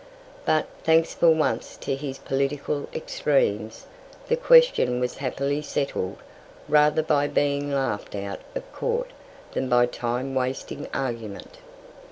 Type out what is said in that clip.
But, thanks for once to his political extremes, the question was happily settled rather by being laughed out of court than by time wasting argument.